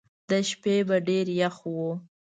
د شپې به ډېر یخ وو.